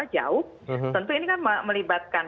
jauh tentu ini kan melibatkan